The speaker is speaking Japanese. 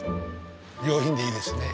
上品でいいですね。